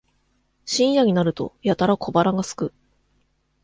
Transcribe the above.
深夜になるとやたら小腹がすく